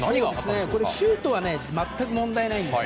シュートは全く問題ないんです。